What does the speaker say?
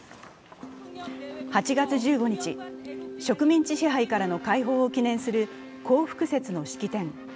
８月１５日、植民地支配からの解放を記念する光復節の式典。